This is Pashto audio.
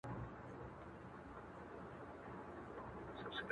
کورنۍ يوې سختې پرېکړې ته ځان چمتو کوي پټه